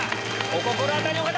お心当たりの方！